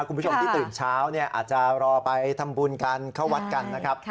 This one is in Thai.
คุณผู้ชมที่ตื่นเช้าเนี่ยอาจจะรอไปทำบุญกันเข้าวัดกันนะครับ